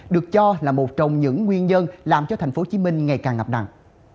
được cho là một trong những nguyên nhân làm cho tp hcm ngày càng ngập nặng